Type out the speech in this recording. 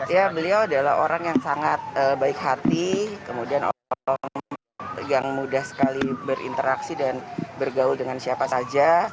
ya beliau adalah orang yang sangat baik hati kemudian orang yang mudah sekali berinteraksi dan bergaul dengan siapa saja